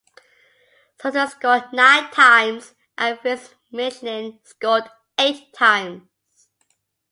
Suter scored nine times and Fritz Schmidlin scored eight times.